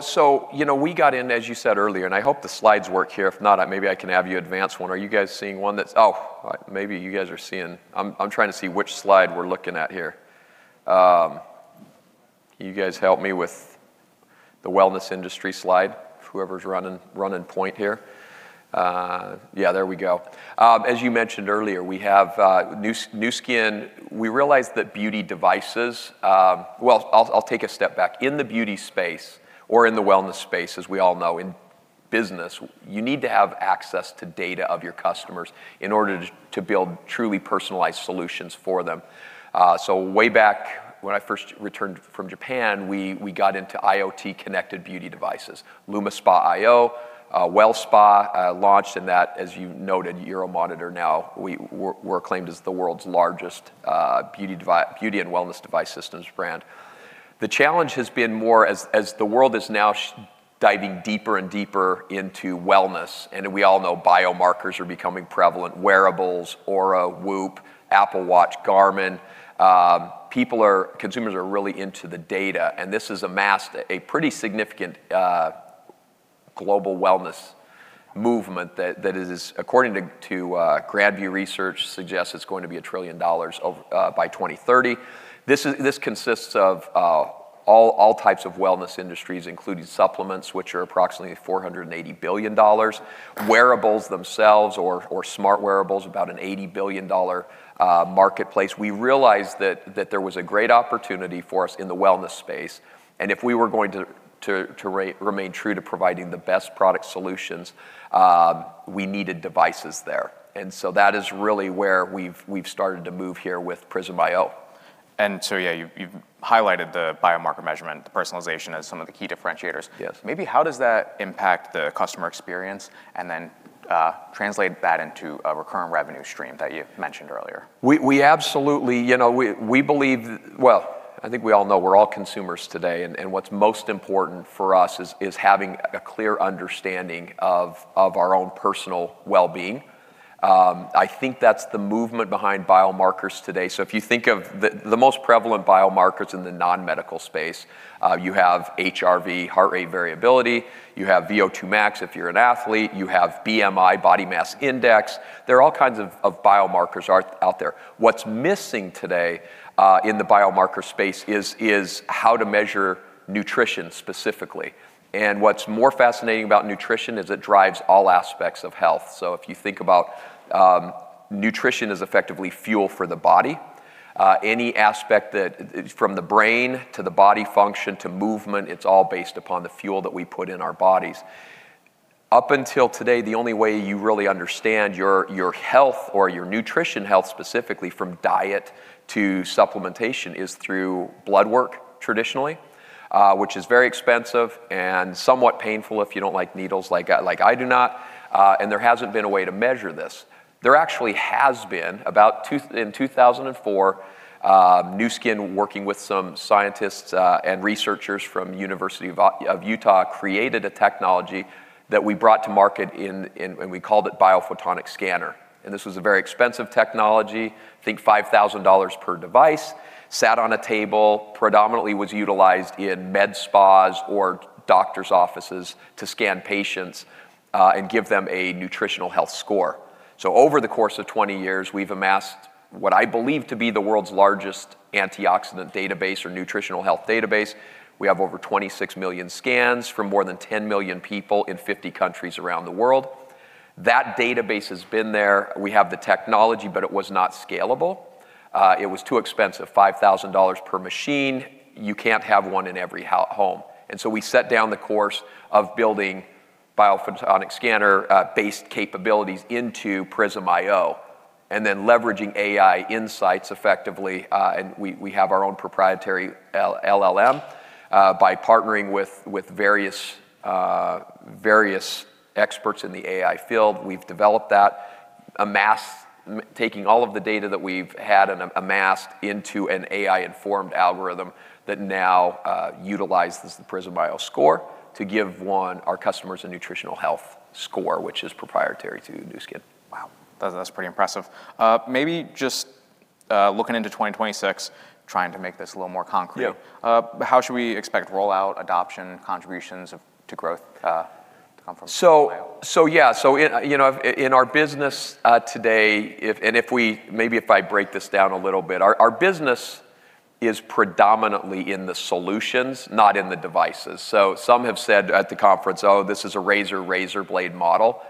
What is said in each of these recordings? So, you know, we got in, as you said earlier, and I hope the slides work here. If not, maybe I can have you advance one. Are you guys seeing one that's, oh, maybe you guys are seeing. I'm trying to see which slide we're looking at here. You guys help me with the wellness industry slide, whoever's running point here. Yeah, there we go. As you mentioned earlier, we have Nu Skin. We realize that beauty devices, well, I'll take a step back, in the beauty space, or in the wellness space, as we all know, in business, you need to have access to data of your customers in order to build truly personalized solutions for them. So, way back when I first returned from Japan, we got into IoT-connected beauty devices. LumiSpa iO, WellSpa iO launched, and that, as you noted, Euromonitor now, we're acclaimed as the world's largest beauty and wellness device systems brand. The challenge has been more, as the world is now diving deeper and deeper into wellness, and we all know biomarkers are becoming prevalent: wearables, Oura, Whoop, Apple Watch, Garmin. People, consumers, are really into the data, and this has amassed a pretty significant global wellness movement that is, according to Grand View Research, suggests it's going to be a trillion dollars by 2030. This consists of all types of wellness industries, including supplements, which are approximately $480 billion. Wearables themselves, or smart wearables, about an $80 billion marketplace. We realized that there was a great opportunity for us in the wellness space, and if we were going to remain true to providing the best product solutions, we needed devices there. That is really where we've started to move here with Prysm iO. Yeah, you've highlighted the biomarker measurement, the personalization as some of the key differentiators. Yes. Maybe how does that impact the customer experience and then translate that into a recurrent revenue stream that you mentioned earlier? We absolutely, you know, we believe, well, I think we all know we're all consumers today, and what's most important for us is having a clear understanding of our own personal well-being. I think that's the movement behind biomarkers today. So if you think of the most prevalent biomarkers in the non-medical space, you have HRV, heart rate variability, you have VO2 max if you're an athlete, you have BMI, body mass index. There are all kinds of biomarkers out there. What's missing today in the biomarker space is how to measure nutrition specifically. And what's more fascinating about nutrition is it drives all aspects of health. So if you think about nutrition as effectively fuel for the body, any aspect from the brain to the body function to movement, it's all based upon the fuel that we put in our bodies. Up until today, the only way you really understand your health, or your nutrition health specifically, from diet to supplementation is through blood work traditionally, which is very expensive and somewhat painful if you don't like needles, like I do not, and there hasn't been a way to measure this. There actually has been, about in 2004, Nu Skin, working with some scientists and researchers from the University of Utah, created a technology that we brought to market, and we called it Biophotonic Scanner, and this was a very expensive technology, I think $5,000 per device, sat on a table, predominantly was utilized in med spas or doctors' offices to scan patients and give them a nutritional health score, so over the course of 20 years, we've amassed what I believe to be the world's largest antioxidant database or nutritional health database. We have over 26 million scans from more than 10 million people in 50 countries around the world. That database has been there. We have the technology, but it was not scalable. It was too expensive, $5,000 per machine. You can't have one in every home. And so we set down the course of building Biophotonic Scanner-based capabilities into Prism iO and then leveraging AI insights effectively. And we have our own proprietary LLM. By partnering with various experts in the AI field, we've developed that, taking all of the data that we've had and amassed into an AI-informed algorithm that now utilizes the Prism iO score to give, one, our customers a nutritional health score, which is proprietary to Nu Skin. Wow. That's pretty impressive. Maybe just looking into 2026, trying to make this a little more concrete. Yeah. How should we expect rollout, adoption, contributions to growth to come from Prysm iO? You know, in our business today, maybe if I break this down a little bit, our business is predominantly in the solutions, not in the devices. Some have said at the conference, "Oh, this is a razor razor blade model."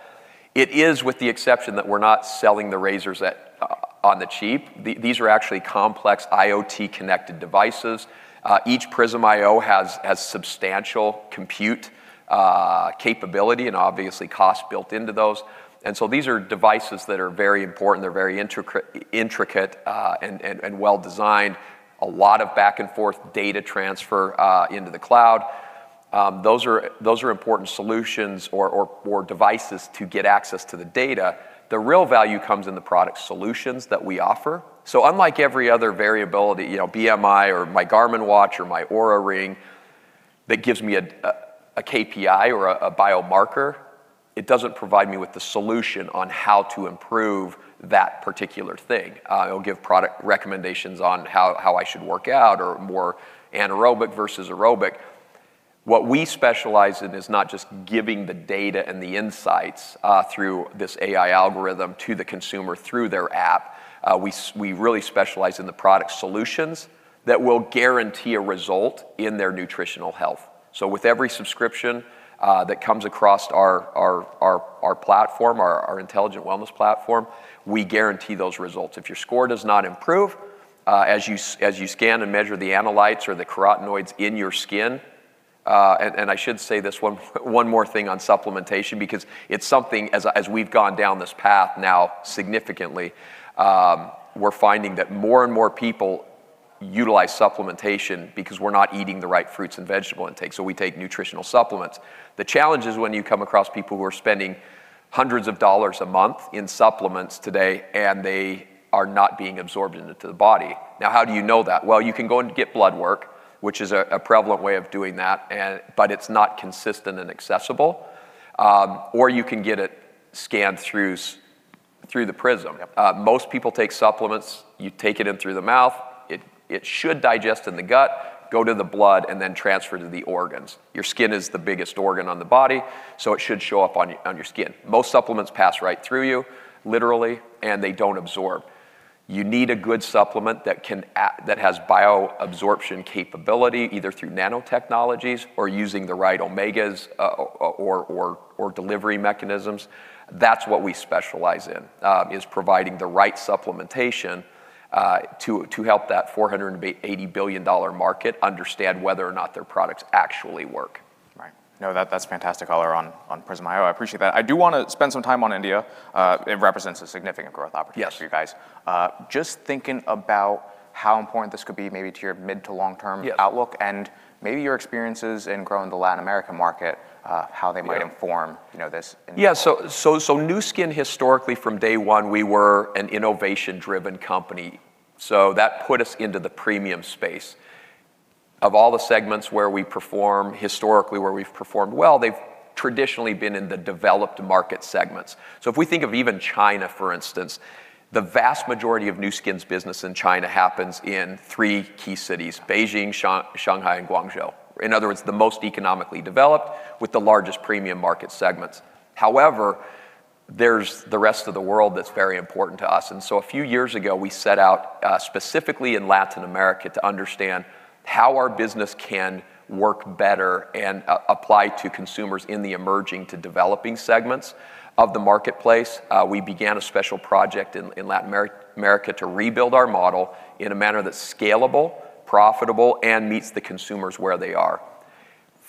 It is, with the exception that we're not selling the razors on the cheap. These are actually complex IoT-connected devices. Each Prysm iO has substantial compute capability and obviously cost built into those. And so these are devices that are very important. They're very intricate and well-designed. A lot of back-and-forth data transfer into the cloud. Those are important solutions or devices to get access to the data. The real value comes in the product solutions that we offer. So unlike every other wearable, you know, BMI or my Garmin watch or my Oura ring that gives me a KPI or a biomarker, it doesn't provide me with the solution on how to improve that particular thing. It'll give product recommendations on how I should work out or more anaerobic versus aerobic. What we specialize in is not just giving the data and the insights through this AI algorithm to the consumer through their app. We really specialize in the product solutions that will guarantee a result in their nutritional health. So with every subscription that comes across our platform, our intelligent wellness platform, we guarantee those results. If your score does not improve as you scan and measure the analytes or the carotenoids in your skin, and I should say this one more thing on supplementation, because it's something, as we've gone down this path now significantly, we're finding that more and more people utilize supplementation because we're not eating the right fruits and vegetable intake. So we take nutritional supplements. The challenge is when you come across people who are spending hundreds of dollars a month in supplements today, and they are not being absorbed into the body. Now, how do you know that? Well, you can go and get blood work, which is a prevalent way of doing that, but it's not consistent and accessible. Or you can get it scanned through the Prism. Most people take supplements. You take it in through the mouth. It should digest in the gut, go to the blood, and then transfer to the organs. Your skin is the biggest organ on the body, so it should show up on your skin. Most supplements pass right through you, literally, and they don't absorb. You need a good supplement that has bioabsorption capability, either through nanotechnologies or using the right omegas or delivery mechanisms. That's what we specialize in, is providing the right supplementation to help that $480 billion market understand whether or not their products actually work. Right. No, that's fantastic all around on Prysm iO. I appreciate that. I do want to spend some time on India. It represents a significant growth opportunity for you guys. Yes. Just thinking about how important this could be maybe to your mid- to long-term outlook and maybe your experiences in growing the Latin American market, how they might inform this? Yeah. So Nu Skin, historically, from day one, we were an innovation-driven company. So that put us into the premium space. Of all the segments where we perform historically, where we've performed well, they've traditionally been in the developed market segments. So if we think of even China, for instance, the vast majority of Nu Skin's business in China happens in three key cities: Beijing, Shanghai, and Guangzhou. In other words, the most economically developed with the largest premium market segments. However, there's the rest of the world that's very important to us. And so a few years ago, we set out specifically in Latin America to understand how our business can work better and apply to consumers in the emerging to developing segments of the marketplace. We began a special project in Latin America to rebuild our model in a manner that's scalable, profitable, and meets the consumers where they are.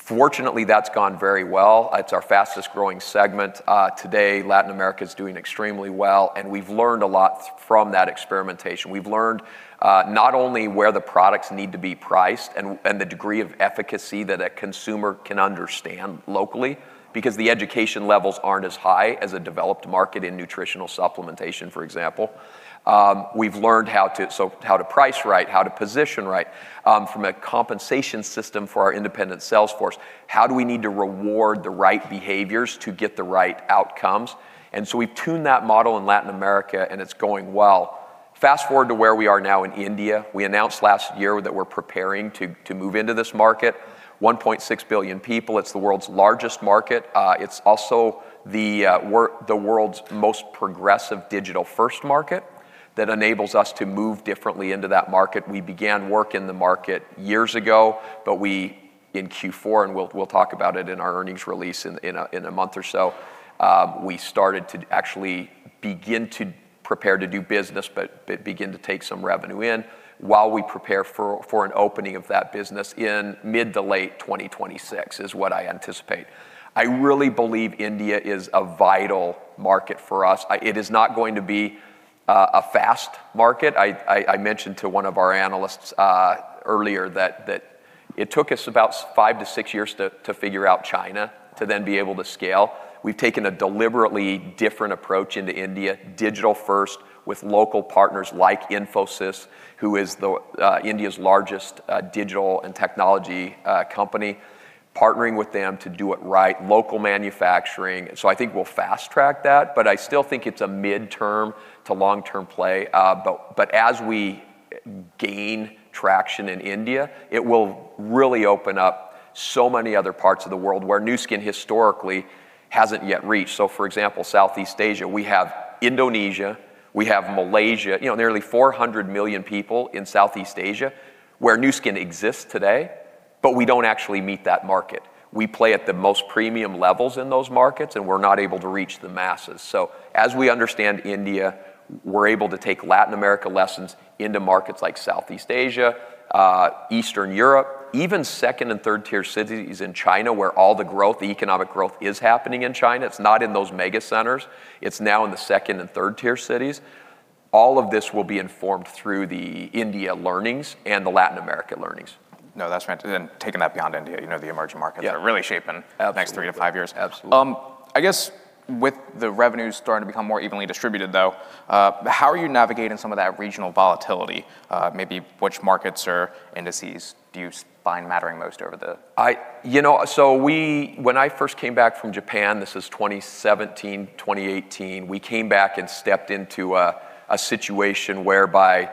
Fortunately, that's gone very well. It's our fastest-growing segment. Today, Latin America is doing extremely well, and we've learned a lot from that experimentation. We've learned not only where the products need to be priced and the degree of efficacy that a consumer can understand locally, because the education levels aren't as high as a developed market in nutritional supplementation, for example. We've learned how to price right, how to position right from a compensation system for our independent sales force. How do we need to reward the right behaviors to get the right outcomes? And so we've tuned that model in Latin America, and it's going well. Fast forward to where we are now in India. We announced last year that we're preparing to move into this market. 1.6 billion people. It's the world's largest market. It's also the world's most progressive digital-first market that enables us to move differently into that market. We began work in the market years ago, but we in Q4, and we'll talk about it in our earnings release in a month or so, we started to actually begin to prepare to do business, but begin to take some revenue in while we prepare for an opening of that business in mid to late 2026, is what I anticipate. I really believe India is a vital market for us. It is not going to be a fast market. I mentioned to one of our analysts earlier that it took us about five to six years to figure out China to then be able to scale. We've taken a deliberately different approach into India, digital-first with local partners like Infosys, who is India's largest digital and technology company, partnering with them to do it right, local manufacturing, so I think we'll fast-track that, but I still think it's a mid-term to long-term play, but as we gain traction in India, it will really open up so many other parts of the world where Nu Skin historically hasn't yet reached, so for example, Southeast Asia, we have Indonesia, we have Malaysia, you know, nearly 400 million people in Southeast Asia where Nu Skin exists today, but we don't actually meet that market. We play at the most premium levels in those markets, and we're not able to reach the masses. As we understand India, we're able to take Latin America lessons into markets like Southeast Asia, Eastern Europe, even second and third-tier cities in China where all the growth, the economic growth is happening in China. It's not in those mega centers. It's now in the second and third-tier cities. All of this will be informed through the India learnings and the Latin America learnings. No, that's right. And taking that beyond India, you know, the emerging markets are really shaping the next three to five years. Absolutely. I guess with the revenues starting to become more evenly distributed, though, how are you navigating some of that regional volatility? Maybe which markets or indices do you find mattering most over the? You know, so when I first came back from Japan, this is 2017, 2018, we came back and stepped into a situation whereby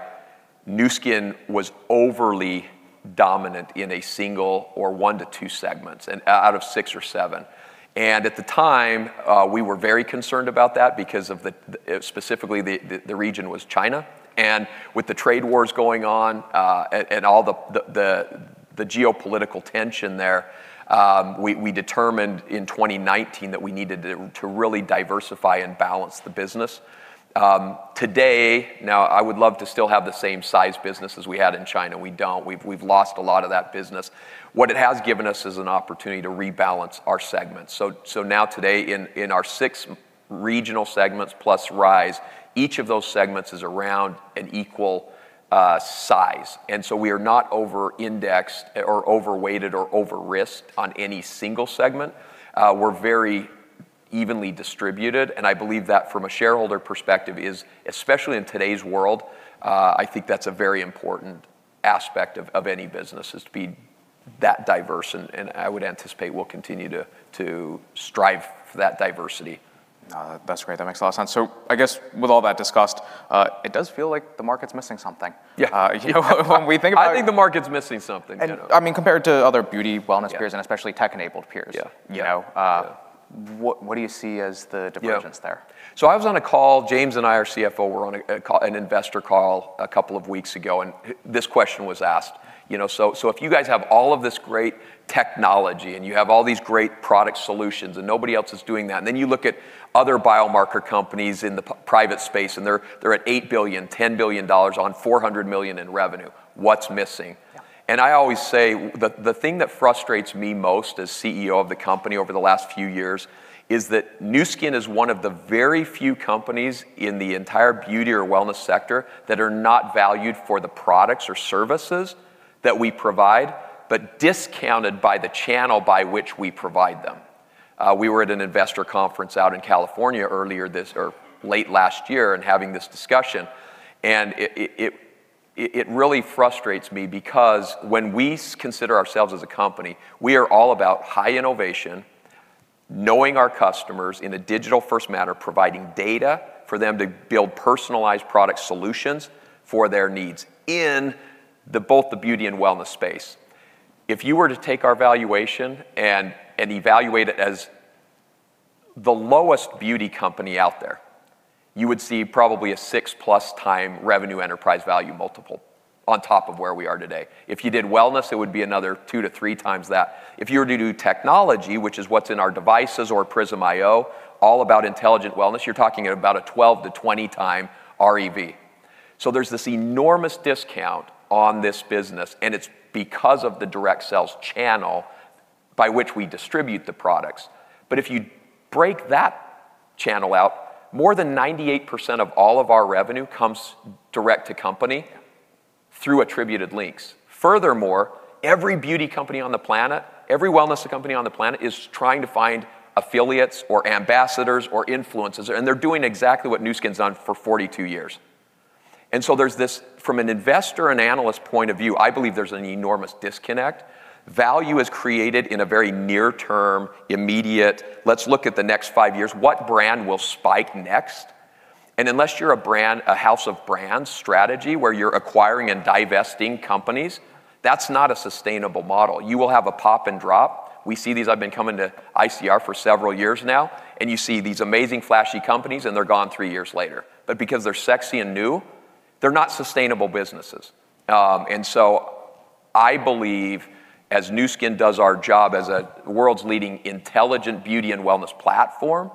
Nu Skin was overly dominant in a single or one to two segments out of six or seven, and at the time, we were very concerned about that because specifically the region was China, and with the trade wars going on and all the geopolitical tension there, we determined in 2019 that we needed to really diversify and balance the business. Today, now, I would love to still have the same size business as we had in China. We don't. We've lost a lot of that business. What it has given us is an opportunity to rebalance our segments, so now today, in our six regional segments plus Rhyz, each of those segments is around an equal size. And so we are not over-indexed or over-weighted or over-risked on any single segment. We're very evenly distributed. And I believe that from a shareholder perspective, especially in today's world, I think that's a very important aspect of any business is to be that diverse. And I would anticipate we'll continue to strive for that diversity. No, that's great. That makes a lot of sense. So I guess with all that discussed, it does feel like the market's missing something. Yeah. You know, when we think about. I think the market's missing something. I mean, compared to other beauty, wellness peers and especially tech-enabled peers, you know, what do you see as the divergence there? So I was on a call. James and I, our CFO, were on an investor call a couple of weeks ago, and this question was asked. You know, so if you guys have all of this great technology and you have all these great product solutions and nobody else is doing that, and then you look at other biomarker companies in the private space and they're at $8 billion, $10 billion on $400 million in revenue, what's missing? And I always say the thing that frustrates me most as CEO of the company over the last few years is that Nu Skin is one of the very few companies in the entire beauty or wellness sector that are not valued for the products or services that we provide, but discounted by the channel by which we provide them. We were at an investor conference out in California earlier this year or late last year and having this discussion, and it really frustrates me because when we consider ourselves as a company, we are all about high innovation, knowing our customers in a digital-first manner, providing data for them to build personalized product solutions for their needs in both the beauty and wellness space. If you were to take our valuation and evaluate it as the lowest beauty company out there, you would see probably a six-plus time revenue enterprise value multiple on top of where we are today. If you did wellness, it would be another 2-3 times that. If you were to do technology, which is what's in our devices or Prism iO, all about intelligent wellness, you're talking about a 12-20 time REV. There's this enormous discount on this business, and it's because of the direct sales channel by which we distribute the products. But if you break that channel out, more than 98% of all of our revenue comes direct to company through attributed links. Furthermore, every beauty company on the planet, every wellness company on the planet is trying to find affiliates or ambassadors or influencers, and they're doing exactly what Nu Skin's done for 42 years. And so there's this, from an investor and analyst point of view, I believe there's an enormous disconnect. Value is created in a very near-term, immediate. Let's look at the next five years. What brand will spike next? And unless you're a brand, a house of brands strategy where you're acquiring and divesting companies, that's not a sustainable model. You will have a pop and drop. We see these. I've been coming to ICR for several years now, and you see these amazing flashy companies, and they're gone three years later. But because they're sexy and new, they're not sustainable businesses. And so I believe as Nu Skin does our job as a world's leading intelligent beauty and wellness platform,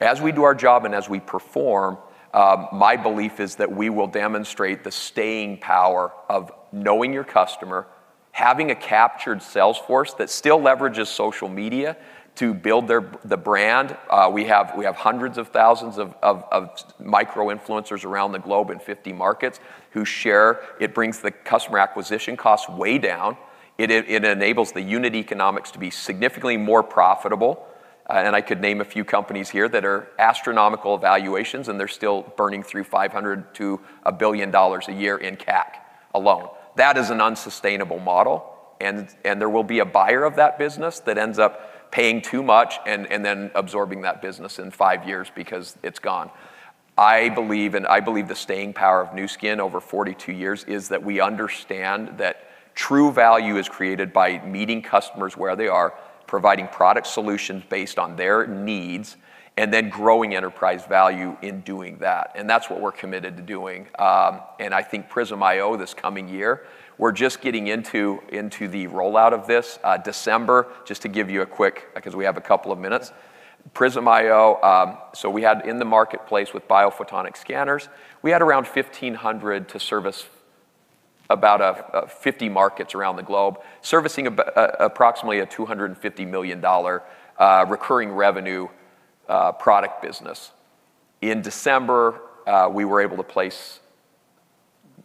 as we do our job and as we perform, my belief is that we will demonstrate the staying power of knowing your customer, having a captured sales force that still leverages social media to build the brand. We have hundreds of thousands of micro-influencers around the globe in 50 markets who share. It brings the customer acquisition costs way down. It enables the unit economics to be significantly more profitable. And I could name a few companies here that are astronomical valuations, and they're still burning through $500-$1 billion a year in CAC alone. That is an unsustainable model, and there will be a buyer of that business that ends up paying too much and then absorbing that business in five years because it's gone. I believe, and I believe the staying power of Nu Skin over 42 years is that we understand that true value is created by meeting customers where they are, providing product solutions based on their needs, and then growing enterprise value in doing that, and that's what we're committed to doing, and I think Prism iO this coming year, we're just getting into the rollout of this December, just to give you a quick, because we have a couple of minutes. Prism iO, so we had in the marketplace with Biophotonic scanners, we had around 1,500 to service about 50 markets around the globe, servicing approximately a $250 million recurring revenue product business. In December, we were able to place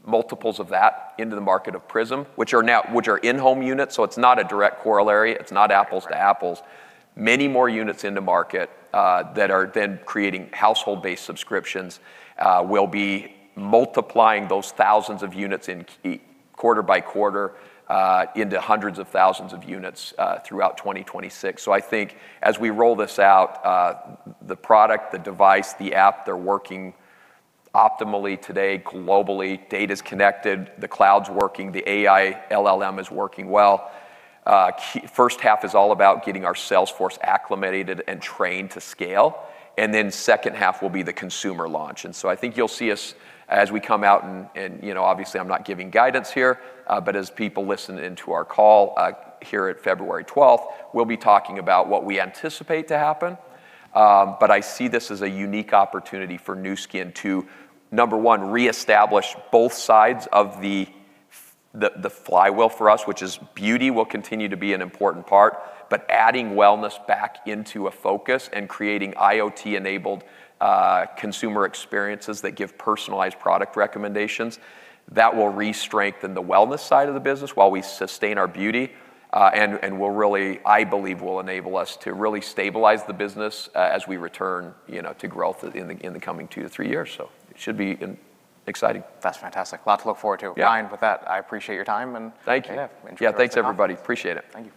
multiples of that into the market of Prysm, which are in-home units. So it's not a direct corollary. It's not apples to apples. Many more units into market that are then creating household-based subscriptions will be multiplying those thousands of units in quarter by quarter into hundreds of thousands of units throughout 2026. So I think as we roll this out, the product, the device, the app, they're working optimally today globally. Data's connected. The cloud's working. The AI LLM is working well. First half is all about getting our sales force acclimated and trained to scale. And then second half will be the consumer launch. So I think you'll see us as we come out, and you know, obviously I'm not giving guidance here, but as people listen into our call here at February 12th, we'll be talking about what we anticipate to happen. But I see this as a unique opportunity for Nu Skin to, number one, reestablish both sides of the flywheel for us, which is beauty will continue to be an important part, but adding wellness back into a focus and creating IoT-enabled consumer experiences that give personalized product recommendations that will re-strengthen the wellness side of the business while we sustain our beauty. And we'll really, I believe, will enable us to really stabilize the business as we return, you know, to growth in the coming two to three years. So it should be exciting. That's fantastic. A lot to look forward to. Ryan, with that, I appreciate your time and. Thank you. Yeah, thanks, everybody. Appreciate it. Thank you.